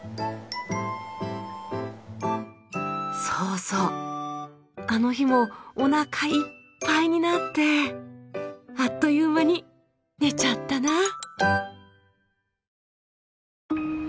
そうそうあの日もおなかいっぱいになってあっという間に寝ちゃったな。